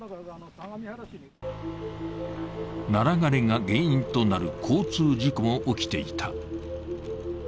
ナラ枯れが原因となる交通事故も起きていた。